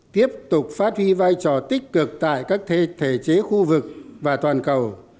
tiếp tục phát huy vai trò tích cực tại các thể chế khu vực và toàn cầu